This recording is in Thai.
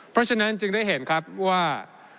เพราะฉะนั้นจึงได้เห็นครับว่า